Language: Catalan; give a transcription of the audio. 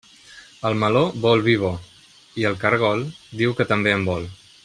El meló vol vi bo, i el caragol diu que també en vol.